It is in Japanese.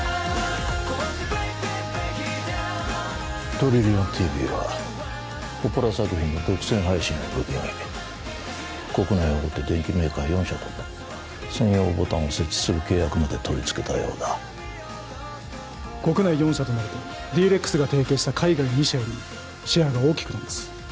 トリリオンＴＶはポポラ作品の独占配信を武器に国内大手電機メーカー４社と専用ボタンを設置する契約までとりつけたようだ国内４社となるとＤ−ＲＥＸが提携した海外２社よりもシェアが大きくなります